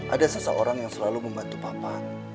ada seseorang yang selalu membantu papa